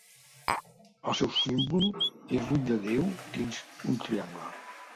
El seu símbol és l'ull de Déu dins un triangle.